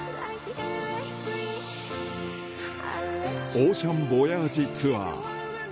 オーシャンボヤージツアー。